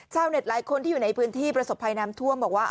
หลายคนที่อยู่ในพื้นที่ประสบภัยน้ำท่วมบอกว่า